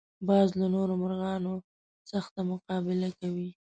باز له نورو مرغانو سخته مقابله کوي